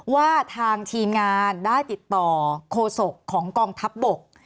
ว่าทางทีมงานได้ติดต่อโคศกของกองทัพบก